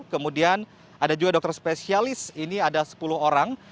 kemudian ada juga dokter spesialis ini ada sepuluh orang